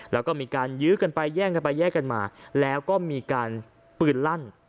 แล้วก็มีการยื้อกันไปแย่งกันไปแย่งกันมาแล้วก็มีการปืนลั่น